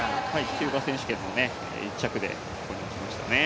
キューバ選手権１着でここに来ましたね。